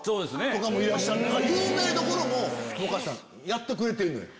有名どころもやってくれてるのよ。